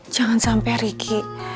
jangan sampai riki